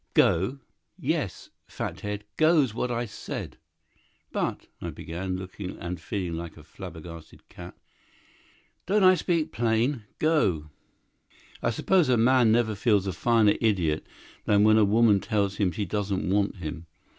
"Go?" "Yes—fathead! Go's what I said." "But—" I began, looking and feeling like a flabbergasted cat. "Don't I speak plain? Go!" I suppose a man never feels a finer idiot than when a woman tells him she doesn't want him.